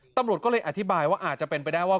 ตำรวจก็เลยอธิบายว่าอาจจะเป็นไปได้ว่า